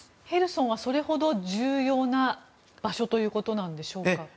ヘルソンはそれほど重要な場所ということでしょうか？